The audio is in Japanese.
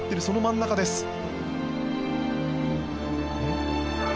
その真ん中です。